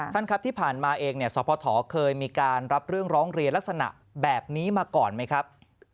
ท่านครับที่ผ่านมาเองสพเคยมีการรับเรื่องร้องเรียนลักษณะแบบนี้มาก่อนไหมครับ